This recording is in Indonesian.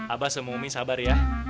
abah semumi sabar ya